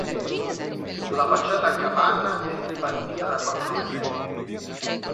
La facciata a capanna è tripartita da quattro lesene.